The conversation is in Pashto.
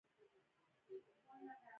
بیا به قطار ته ښه ور نږدې شول، د یو کس.